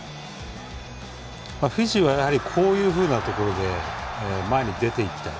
フィジーは、やはりこういうふうなところで前に出ていきたい。